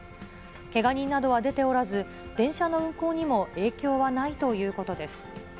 けが人などは出ておらず、電車の運行にも影響はないということです。